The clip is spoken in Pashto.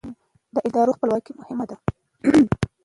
د ادارو خپلواکي مهمه ده